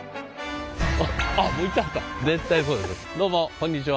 どうもこんにちは。